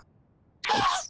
えっ。